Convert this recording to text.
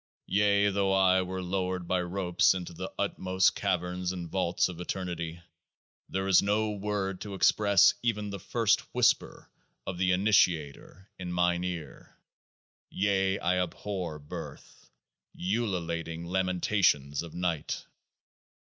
Yea, though I were lowered by ropes into the utmost Caverns and Vaults of Eternity, there is no word to express even the first whisper of the Initiator in mine ear : yea, I abhor birth, ululating lamentations of Night